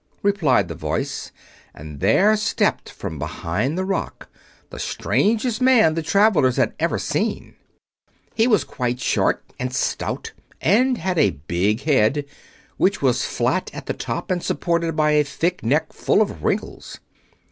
replied the voice, and there stepped from behind the rock the strangest man the travelers had ever seen. He was quite short and stout and had a big head, which was flat at the top and supported by a thick neck full of wrinkles.